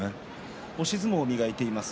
押し相撲を磨いています。